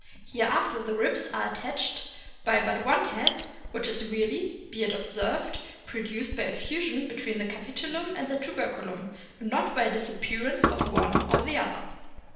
Hereafter the ribs are attached by but one head, which is really, be it observed, produced by a fusion between the capitulum and tuberculum, not by a disappearance of one or the other.